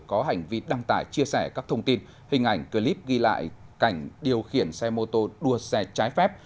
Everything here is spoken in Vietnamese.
có hành vi đăng tải chia sẻ các thông tin hình ảnh clip ghi lại cảnh điều khiển xe mô tô đua xe trái phép